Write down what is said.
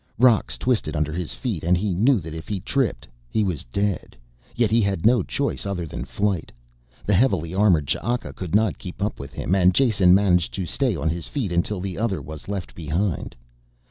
Rocks twisted under his feet and he knew that if he tripped he was dead, yet he had no choice other than flight. The heavily armored Ch'aka could not keep up with him and Jason managed to stay on his feet until the other was left behind.